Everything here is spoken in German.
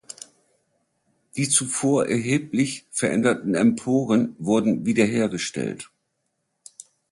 Die zuvor erheblich veränderten Emporen wurden wiederhergestellt.